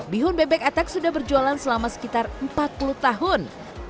bihun bebek atak sudah berjualan selama sekitar empat puluh tahun